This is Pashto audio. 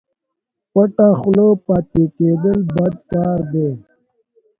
پټه خوله پاته کېدل بد کار دئ